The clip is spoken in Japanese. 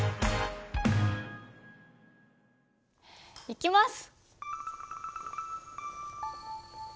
いきます！